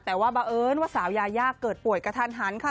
แต่ว่าบังเอิญว่าสาวยายาเกิดป่วยกระทันหันค่ะ